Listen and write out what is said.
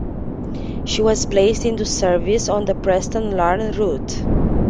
She was placed into service on the Preston - Larne route.